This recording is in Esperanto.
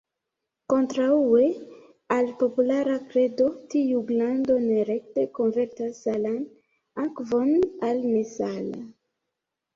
Kontraŭe al populara kredo, tiu glando ne rekte konvertas salan akvon al nesala.